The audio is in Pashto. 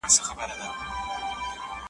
د اغیار جنازه ولاړه د غلیم کور دي تالان دی .